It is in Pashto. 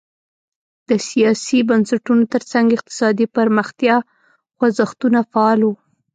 د سیاسي بنسټونو ترڅنګ اقتصادي پرمختیا خوځښتونه فعال وو.